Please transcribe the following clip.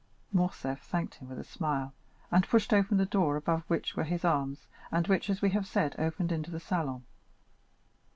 Morcerf thanked him with a smile, and pushed open the door above which were his arms, and which, as we have said, opened into the salon.